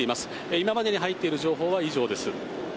今までに入っている情報は以上です。